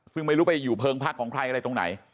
ซึ่งไม่รู้ไปอยู่เพลิงพักของใครอะไรตรงไหน